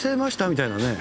みたいなね。